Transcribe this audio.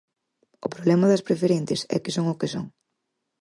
O problema das preferentes é que son o que son.